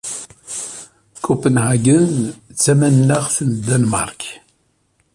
Copenhagen d tamaneɣt n Danmaṛk.